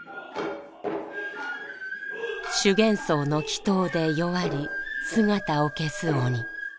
修験僧の祈祷で弱り姿を消す鬼。